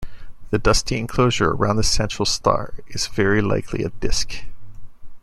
The dusty enclosure around the central star is very likely a disc.